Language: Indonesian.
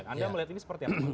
anda melihat ini seperti apa